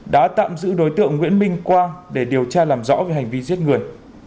đã tạm giữ đối tượng nguyễn minh quang để điều tra làm rõ về hành vi giết người